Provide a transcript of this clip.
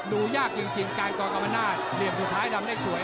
ดูยากจริงจริงคุณคุณค่อนข้างมะนาจเหลียมสุดท้ายลำได้สวย